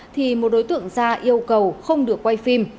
thì một đối tượng ra yêu cầu không được quay phim